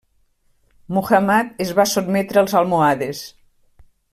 Muhammad es va sotmetre als almohades.